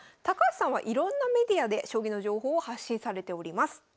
高橋さんはいろんなメディアで将棋の情報を発信されております。